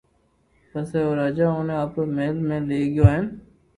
پسو راجا اوني آپرو مھل ۾ لئي گيو ھين